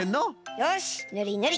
よしぬりぬり。